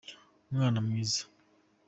umwana mwiza.